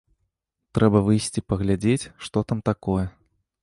Трэба выйсці паглядзець, што там такое.